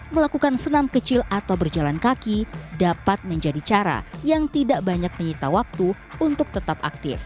melakukan senam kecil atau berjalan kaki dapat menjadi cara yang tidak banyak menyita waktu untuk tetap aktif